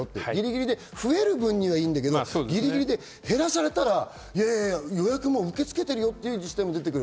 増える分にはいいけれど、ぎりぎりで減らされたら予約も受け付けてるよという自治体も出てくる。